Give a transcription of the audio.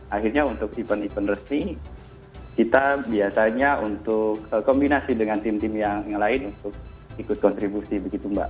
akhirnya untuk event event resmi kita biasanya untuk kombinasi dengan tim tim yang lain untuk ikut kontribusi begitu mbak